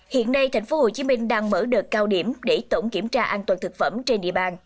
hiện nay tp hcm đang mở đợt cao điểm để tổng kiểm tra an toàn thực phẩm trên địa bàn